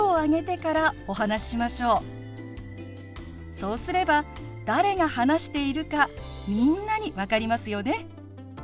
そうすれば誰が話しているかみんなに分かりますよね。